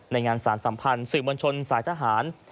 งานสารสัมพันธ์สื่อมวลชนสายทหาร